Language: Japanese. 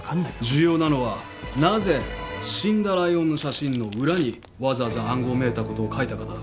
重要なのはなぜ死んだライオンの写真の裏にわざわざ暗号めいたことを書いたかだ。